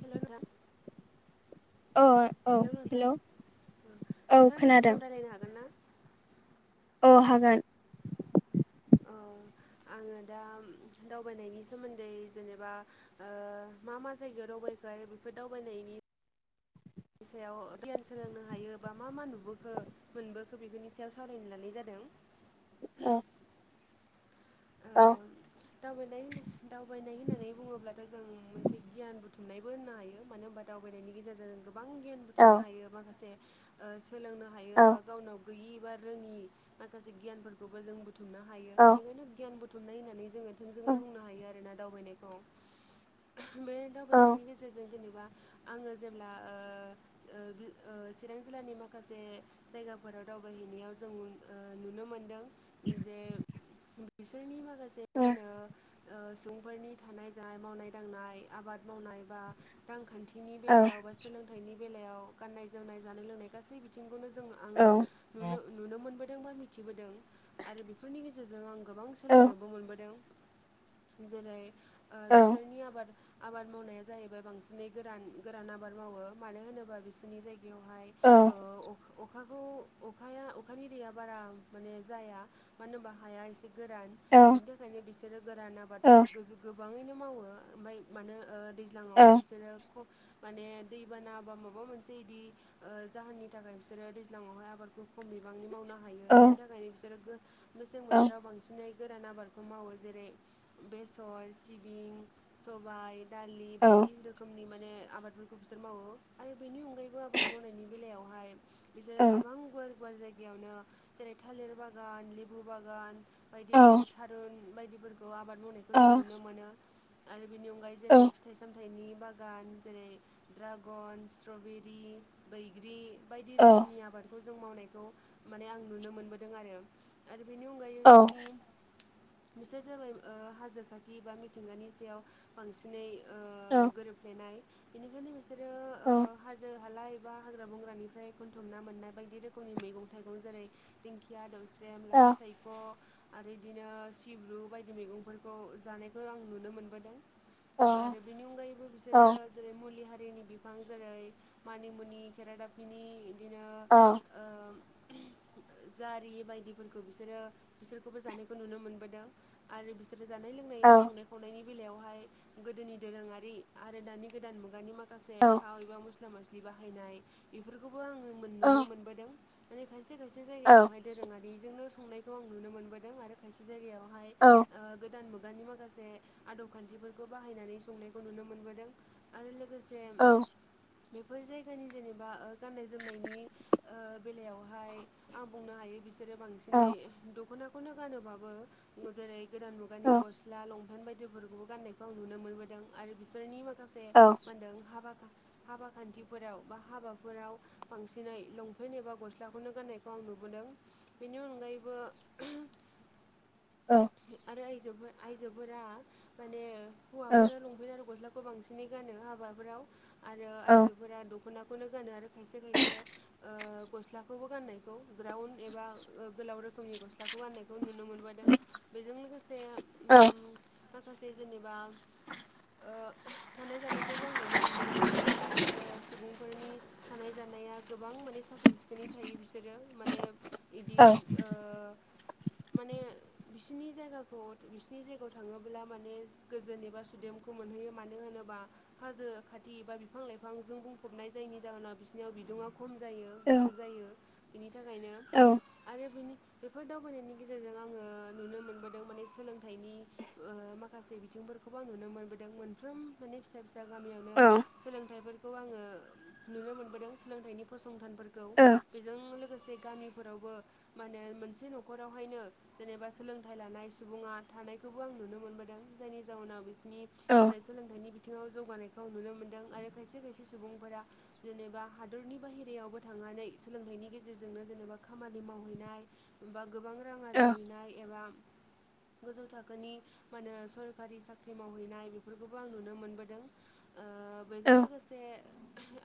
हेल' madam औ औ hello नोंथां औ नोंथाङा दसे खोनादों सम रायलायनो हागोन ना? औ हागोन औ आङो दा दावबायनायनि सोमोन्दै जेनेबा ओ मा मा जायगायाव दावबाय बेफोर दावबायनायनि बेनि सायाव गधयान सोलोंनो हायो बा मा मा नुबोखो मोनबोखो बेफोरनि सायाव सावरायनो लानाय जादों। जों औ ओ औ दावबाय दावबायनाय होननानै बुङोब्ला जों मोनसे गियान बुथुमनायबो होननो हायो मानो होनबा दावबायनायनि गेजेरजों गोबां गियान औ बुथुमनो हायो माखासे सोलोंनो हायो औ बा गावनो गैयि बा रोङि माखासे गियानफोरखौबो जों बुथुमनो हायो औ बेनिखायनो गियान बुथुमनाय होननानै जोङो थोंजोै बुंनो हायो आरोना दावबायनायखौ बे औ दावबायनायनि गेजेरजों जेनेबा आङो जेब्ला ओ ओ चिरां जिल्लानि माखासे जायगाफोराव दावबायहैनायाव जों ओ नुनो मोनदों जे बिसोरनि माखासे औ मा होनो ओ सुबुंफोरनि थानाय जानाय मावनाय दांनाय आबाद मावनाय बा रां रांखान्थिनि औ बेलायाव बा सोलोंथाइनि बेलायाव गाननाय जोमनाय जानाय लोंनाय गासै बिथिं खौनो जों औ आङो औ नुनो नुनो मोनबोदों बा मिथिबोदों आरो बेफोरनि गेजेरजों आं गोबां औ सोलोंनोबो मोनबोदों जेरै ओ बिसोरनि आबाद आबाद मावनाया जाहैबाय बांसिनै गोरान गोरान आबाद मावो मानो होनोबा बिसोरनि जायगा- यावहाय अखाखौ अखाया अखानि दैेया बारा माने जाया मानो होनबा हाया एसे गोरान बिनि थाखायनो बिसोरो गोरान आबाद गोबाङैनो मावो ओमफाय मानो ओ दैज्लाङावहाय बिसोरो खम माने दैबाना बा माबा मोनसे इदि ओ जाहोननि थाखाय बिसोरो दैज्लाङावहाय आबादखौ खम बिबांनि मावनो हा- औ बिसोर गो मेसें बोथोराव बांसिन नै गोरान आबादखौ मावो जेरै बेसर सिबिं सबाइ दालि बायदि रोखोमनि मान माने आबादफोरखौ बिसोर मावो आरो बेनि अनगायैबो आबाद मावनायनि बेलायावहाय बिसोरो गोबां गुवार गुवार जायगायावनो जेरै थालिर बागान लेबु बागान बायदि रोखोमनि थारुन बायदिफोरखौ आबाद मावनायखौ जों नुनो मोनो आरो बेनि अनगायै जेरै फिथाइ साम- थाइनि बागान जेरै ड्रागन स्ट्रबेरि बैग्रि बायदि रोखोमनि आबादखौ जों मावनायखौ माने आं नुनो मोनबोदों आरो आरो बेनि अन- बिसिनि बिसोर जाबाय ओ हाजो खाथि बा मिथिंगानि सायाव बांसिनै ओ गोरोबफ्लेनाय बेनिखायनो बिसोरो ओ हाजो हालाय बा हाग्रा बंग्रानिफ्राय खोनथुमना मोननाय बायदि रोखोमनि मैगं थाइगं जेरै दिंखिया दौ- स्रेम लाफासाइख' आरो इदिनो सिब्रु बायदि मैगंफोरखौ जानायखौ आं नुनो मोनबोदों आरो बेनि अनगायैबो बिसोरो जेरै मुलि हारि- दैनि बिफां जेरै मानिमुनि खेरादाफिनि इदिनो औ जारि बायदिफोरखौ बिसोरो बिसोरखौबो जानायखौ नुनो मोनबोदों आरो बिसोरो जानाय लोंनाय एबा संनाय खावनायनि बेलायावहाय गोदोनि दोरोङारि आरो दानि गोदान मुगानि माखासे थाव एबा मस्ला मस्लि लि बाहायनाय बेफोरखौबो आङो मोन नुनो मोनबोदों माने खायसे खायसे जायगायावहाय दोरोङारिजोंनो संनायखौ आं नुनो मोनबोदों आरो खायसे जायगायाव हाय ओ गोदान मु- गानि माखासे आदब खान्थिफोरखौ बाहायनानै संनायखौ नुनो मोनबोदों आरो लो- गोसे बेफोर जायगानि जेनेबा ओ गाननाय जोमनायनि ओ बेलायावहाय आं बुंनो हायो बिसोरो बांसिनै द- खनाखौनो गानोबाबो जेरै गोदान मुगानि गस्ला लंपेन्ट बाय- दिफोरखौबो गाननायखौ आं नुनो मोनबोदों आरो बिसोरनि माखासे मा होनदों हाबा हाबा खान्थिफोराव बा हाबाफोराव बांसिनै लंपेन्ट एबा गस्लाखौनो गाननायखौ आं नु- नुबोदों बेनि अनगायैबो आरो आइजोफो आयजोफोरा माने हौवाफोरा लंफेन आरो गस्ला खौ बांसिनै गानो हाबाफोराव आरो आइजोफोरा द- खनाखौनो गानो आरो खायसे खायसे ओ गस्लाखौबो गाननायखौ ग्राउन्द एबा ओ गो- गोलाव रोखोमनि गस- लाखौ गाननायखौ नुनो मोनबोदों बेजों लोगोसे उम माखासे जेनेबा ओ थानाय जानायखौबो आं नुनो मोनबोदों बिसिनि ओ सुबुंफोरनि थानाय जानाया गोबां माने साखोन सिखोनै थायो बिसोरो माने इदि औ ओ [inaudible] माने बिसिनि जायगाखौ बिसिनि जायगायाव थाङोब्ला माने गोजोन एबा सुदेमखौ मोन बियो मानो होनोबा हाजो खाथि बा बिफां लाइफांजों बुंफबनाय जायनि जाहोनाव बिसिरनियाव बिदुङा खम जायो गुसु जायो बिनि थाखायनो आरो बिनि बेफोर दावबायनायनि गेजेरजों आङो नुनो मोनबोदों माने सोलोंथाइनि ओ माखासे बिथिंफोरखौ बेखौबो आं नुनो मोनबोदों मोनफ्रोम माने फिसा फिसा दा गामियावनो सोलोंथाइफोरखौ आङो नुनो मोनबोदों सोलोंथाइनि फसंथान फोरखौ बेजों लोगोसे गामिफोरावबो मानो मोन मोनसे नखरावहायनो जेनेबा सोलोंथाइ लानाय सुबुङा थानायखौबो आं नुनो मोनबोदों जायनि जाउनाव बिसोर नि सोलोंथाइनि बि बिथिङाव जौगानायखौ नुनो मोनदों आरो खायसे खायसे सुबुंफोरा जेनेबा हादरनि बाहेरायावबो थाङो नानै सोलोंथाइनि गेजेरजोंनो जेनेबा खामानि मावहैनाय बा गोबां रां आरजिहैनाय एबा गोजौ थाखोनि मा होनो सरखारि साख्रि मावहैनाय बेफोरखौबो आं नुनो मोनबोदों ओ बेजों औ लोगोसे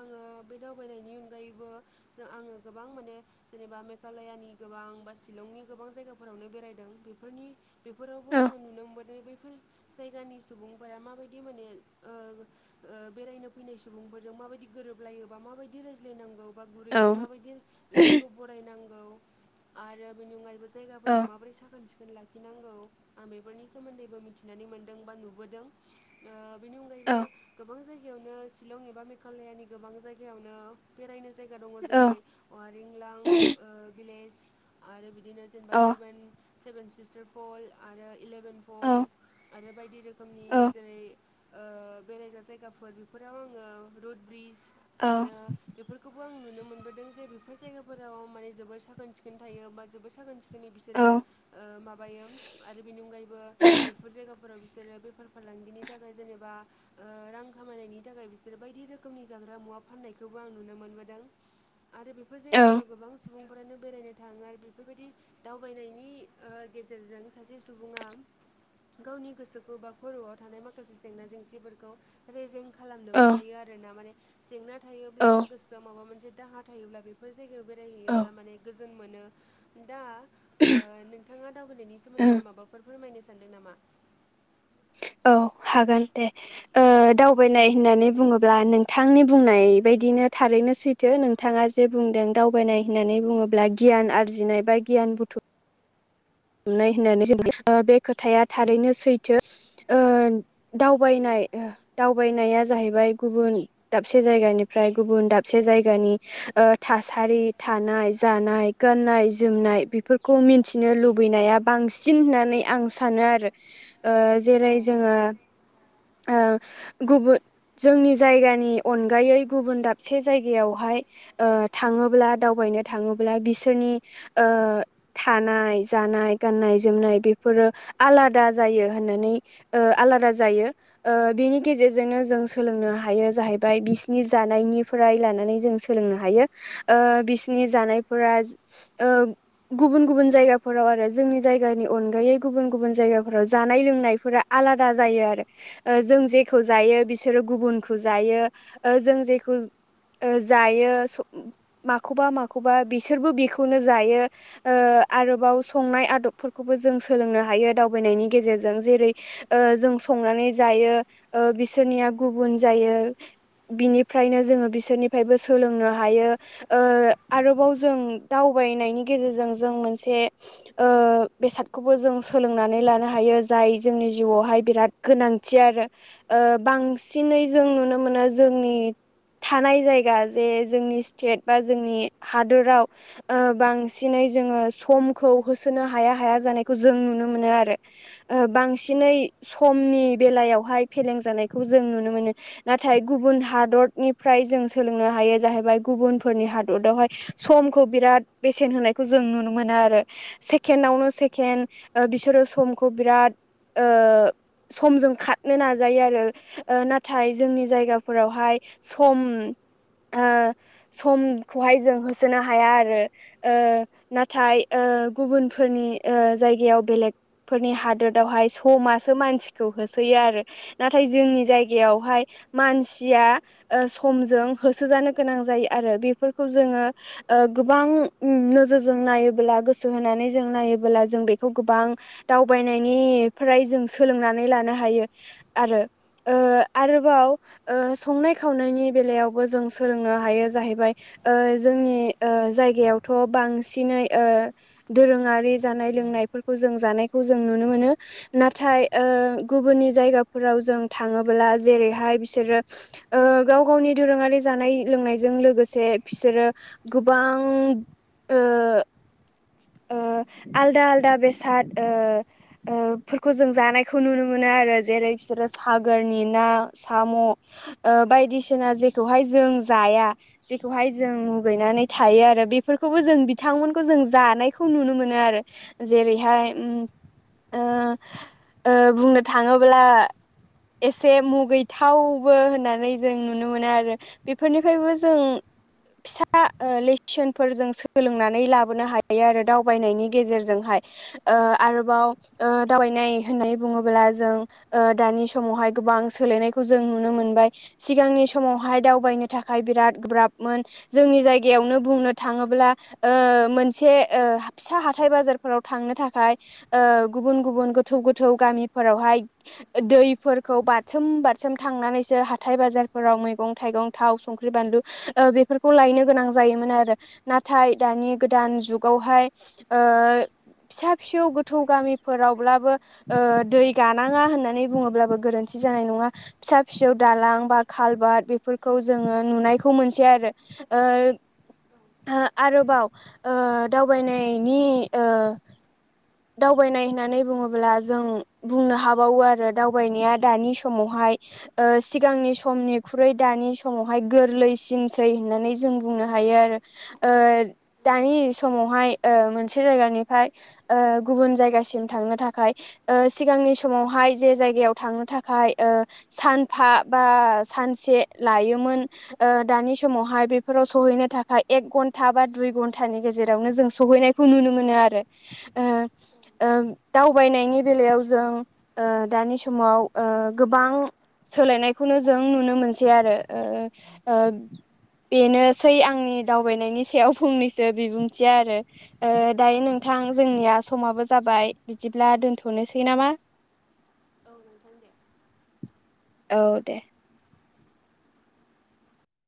आङो बे दावबायनायनि अनगायैबो जों आङो गोबां माने जेनेबा मेघालयानि गोबां बा शिलंनि गोबां जायगाफोरावनो बेरायदों बेफोरनि बेफोरावबो औ औ आङो नुनो मोनदों बैफोर ज जायगानि सुबुंफोरा माबायदि माने बेरायनो फैनाय सुबुंफोरजों माबायदि गोरोब लायोबा माबायदिायज्लायनांगौ बा गुरैयै माबायदि बिसोरखौ बरायनांगौ आरो बिनि अनगायैबो जायगाफोरखौ माबोरै साखोन सिखोन लाखिनांगौ आं बेफोरनि सोमोन्दैबो मिथिनानै मोनदों बा नुबोदों बेनि अनगायैबो गोबां जायगायावनो शिलं एबा मेघालयानि गोबां जायगायावनो बेरायनो जायग दङ जेरै अआरिंलां भिलेज आरो बिदिनो जेनेबा सेभेन सेभेन सिस्टार फल आरो इलेभेन पल्भ आरो बायदि रोखोमनि जेरै ओ बेरायग्रा जायगाफोर बेफोराव आङो रड ब्रिज माने बेफोरखौ खौ आं नुनो मोनबोदों जे बेफोर जायगाफोराव माने जोबोद साखोन सिखोन थायो बा जोबोद साखोन सिखोन बिसोरो ओ माबायो आरो बेनि अनगायैबो बेफोर जायगाखौ बिसोरो बेफार फालांगिनि थाखाय जेनेबा रां खामायनायनि थाखाय बिसोरो बायदि रोखोमनि ज ग्रा मुवा फाननायखौबो आं नुनो मोनबोदों आरो बेफोर जायगाफोराव गोबां सुबुंफोरानो बेरायनो थाङो आरो बेफोरबायदि दावबायनायनि ओ गेजेरजों सासे सुबुङा गावनि गोसोखौ बा खरआव थानाय माखासे जेंना जेंसिफोरखौ रेजें खालामनोबो हायो आरोना माने जेंना थायोब्ला बा गोसोआव माबा मोनसे दाहा थायोब्ला बेफोर जायगायाव बेरायहैयोब्ला माने गोजोन मोनो दा ओ नोंथाङा दावबायनि सोमोन्दै आरो ओं, माबाफोर फोरमायनो सानदों नामा औ हागोन दे ओ दावबायनाय होननानै बुङोब्ला नोंथांनि बुंनाय बायदिनो थारैनो सैथो नोंथाङा जे बुंदों दावबायनाय होननानै बुङोब्ला गियान आरजिनाय बा गियान बुथु नाय होननानै बे खोथाया थारैनो सैथो ओ उम दावबायनाय दावबायनाया जाहैबाय गुबुन दाबसे जायगानिफ्राय गुबुन दाबसे जायगानि ओ थासारि थानाय जानाय गाननाय जोमनाय बेफोरखौ मिन्थिनो लुबैयो लुबैनाया बांसिन होननानै आं सानो आरो ओ जेरै औ उम जोङो ओ गुबुन जोंनि जायगानि अनगायै गुबुन दाबसे जायगायावहाय ओ थाङोब्ला दावबायनो थाङोब्ला बिसोरनि थानाय जानाय गाननाय जोमनाय बेफोरो आलादा जायो होननानै ओ आलादा जायो ओ बेनि गेजेरजोंनो जों सोलोंनो हायो जाहैबाय बिसिनि जानायनिफ्राय लानानै जों सोलोंनो हायो ओ बिसनि जानायफोरा ओ गुबुन गुबुन जायगा फोराव आरो जोंनि जायगानि अनगायै गुबुन गुबुन जायगाफोराव जानाय लोंनायफोरा आलादा जायो आरो ओ जों जेखौ जायो बिसोरो गुबुनखौ जायो ओ जों जेखौ ओ जायो माखौबा माखौबा बिसोरबो बेखौनो जायो ओ आरो बाव संनाय आदबफोरखौबो जों सोलोंनो हायो दावबायनायनि गेजेरजों जेरै ओ जों संनानै नै जायो ओ बिसोरनिया गुबुन जायो बिनिफ्रायनो जोङो बिसोरनिफ्रायबो सोलोंनो हायो ओ आरोबाव जों दाउ बायनायनि गेजेरजों जों मोनसे ओ बेसादखौबो जों सोलोंनानै लानो हायो जाय जोंनि जिउआवहाय बिराद गोनां थि आरो बांसिनै जों नुनो मोनो जोंनि थानाय जायगा जे जोंनि स्टेट बा जोंनि हादोराव ओ बांसिनै जोङो सम खौ होसोनो हाया हाया जानायखौ जों नुनो मोनो आरो ओ बांसिनै समनि बेलायावहाय फेलें जानायखौ जों नुनो मोनो नाथाय गुबुन हादरनिफ्राय जों सोलोंनो हा हायो जाहैबाय गुबुनफोरनि हादरावहाय समखौ बिराद बेसेन होनायखौ जों नुनो मोनो आरो सेकेणडावनो सेकेणड बिसोरो समखौ बिराद ओ समजों खारनो नाजायो आरो ओ नाथाय जोंनि जायगाफोरावहाय सम ओ समखौहाय जों होसोनो हाया आरो ओ नाथाय ओ गुबुनफोरनि ओ जायगायाव बेलेगफोरनि हादोरावहाय समासो मानसिखौ होसोयो आरो नाथाय जोंनि जायगायावहाय मानसिया ओ समजों हो सो जानो गोनां जायो आरो बेफोरखौ जोङो गोबां नोजोरजों नायोब्ला गोसो होनानै जों नायोबोला जों बेखौ गोबां दावबायनायनिफ्राय जों सोलोंनानै लानो नो हायो आरो ओ आरोबाव ओ संनाय खावनायनि बेलायावबो जों सोलोंनो हायो जाहैबाय ओ जोंनि ओ जायगायावथ' बांसिनै ओ दोरोङारि जानाय लोंनायफोरखौ जों जानायखौ जों नुनो मोनो नाथाय ओ औ उम गुबुननि जायगाफोराव जों थाङोब्ला जेरैहाय बिसोरो ओ गाव गावनि दोरोङारि जा नाय लोंनायजों लोगोसे बिसोरो गोबां ओ ओ आलदा आलदा बेसाद ओ ओ फोरफोरखौ जों जानायखौ नुनो मोनो आरो जेरै बिसोरो सागोरनि ना साम' ओ बायदिसिना जेखौहाय जों जाया जेखौहाय जों मुगैनानै थायो आरो बेफोरखौबो जों बिथांमोनखौ जों जानाय खौ नुनो मोनो आरो जेरैहाय उम ओ ओ बुंनो थाङोब्ला एसे मुगैथावबो होननानै जों नुनो मोनो आरो बेफोरनिफ्रायबो जों फिसा ओ लेसनफोरजों सोलोंनानै लाबोनो हा यो आरो दावबायनायनि गेजेरजोंहाय ओ आरोबाव ओ दावबायनाय होननानै बुङोब्ला जों ओ दानि समावहाय गोबां सोलायनायखौ जों नुनो मोनबाय सिगांनि समावहाय दावबाय बायनो थाखाय बिराद गोब्राब मोन जोंनि जायगायावनो बुंनो थाङोब्ला ओ मोनसे ओ फिसा हाथाय बाजारफोराव थांनो थाखाय ओ गुबुन गुबुन गोथौ गोथौ गामिफोरावहाय दैफोरखौ बारसोम बारसोम थांनानैसो हाथाय बाजारफोराव मैगं थाइगं था व संख्रि बानलु ओ बेफोरखौ लायनो गोनां जायोमोन आरो नाथाय दानि जुग गावहाय ओ फिसा फिसौ गोथौ गामिफोरावब्लाबो ओ दै गानाङा होननानै बुङोब्लाबो गोरोन्थि जानाय नङा फिसा फिसौ दालां बा खाालबार बेफोरखौ जोङो नुनायखौ मोनसै आरो ओ हा आरोबाव ओ दावबायनायनि ओ दावबायनाय होननानै बुङोब्ला जों बुंनो हाबावो आरो दावबायनाया दानि समावहाय सिगांनि समनिख्रुइ दानि समावहाय गोरलैसिनसै होननानै जों बुंनो हा यो आरो दानि समावहाय मोनसे जायगानिफ्राय ओ गुबुन जायगासिम थांनो थाखाय ओ सिगांनि समावहाय जे जायगायाव थांनो थाखाय सानफा बा सानसे लायोन ओ दानि समावहाय बेफोराव सहैनो थाखाय एक घन्टा बा दुइ घन्टानि गेजेरावनो जों सहैनायखौ नुनो मोनो आरो ओ दावबायनायनि ओ बेलायाव ओ जों दानि समाव गोबां गोबां सोलायनायखौनो जों नुनो मोनसै आरो बेनोसै आंनि दावबायनायनि सायाव फंनैसो बिबुंथिया आरो ओ दायो नोंथां जोंनिया समाबो जाबाय बिदिब्ला दोनथनोसै नामा औ नोंथां दे औ दे